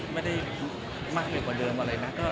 ไม่ได้มากไปกว่าเดิมอะไรนะ